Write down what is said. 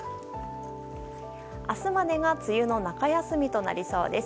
明日までが梅雨の中休みとなりそうです。